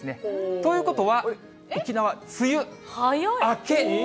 ということは、沖縄、梅雨明け。